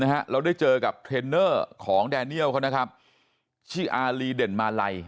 เราได้เจอกับเทรนเนอร์ของแดเนียลเขานะครับชื่ออารีเด่นมาลัย